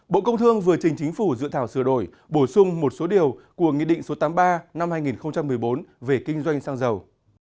bộ công thương vừa trình chính phủ dự thảo sửa đổi bổ sung một số điều của nghị định số tám mươi ba năm hai nghìn một mươi bốn về kinh doanh xăng dầu